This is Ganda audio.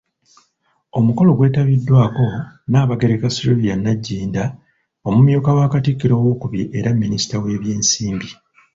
Omukolo gwetabiddwako, Nnabagereka Sylivia Nagginda, Omumyuka wa Katikkiro owookubiri era minisita w'ebyensimbi.